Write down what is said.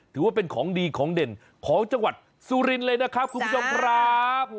ถือว่าเป็นของดีของเด่นของจังหวัดสุรินทร์เลยนะครับคุณผู้ชมครับ